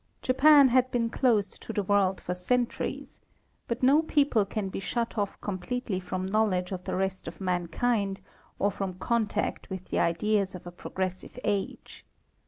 Japan had been closed to the world for centuries ; but no people can be shut off com pletely from knowledge of the rest of mankind, or from contact with the ideas of a progressive age.